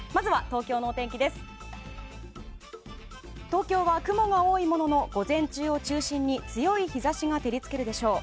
東京は雲が多いものの午前中を中心に強い日差しが照り付けるでしょう。